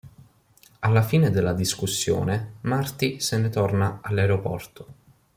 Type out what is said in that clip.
Alla fine della discussione, Marty se ne torna all’aeroporto.